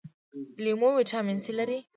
لیمو ویټامین سي لري